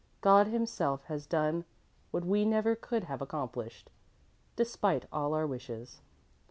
"God Himself has done what we never could have accomplished, despite all our wishes.